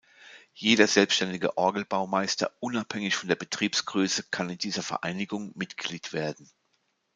Jeder selbstständige Orgelbaumeister, unabhängig von der Betriebsgröße kann in dieser Vereinigung Mitglied werden.